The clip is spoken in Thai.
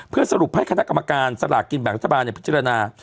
เพื่อสรุปให้คณะกรรมการสลักกินแบ่งละทบาทในพฤศจิรณา